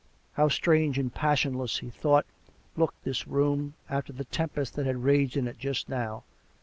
How strange and passionless, . he thought, looked this room, after the tempest that had raged in it just now.